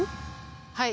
はい。